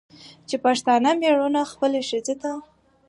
چې پښتانه مېړونه خپلې ښځې ته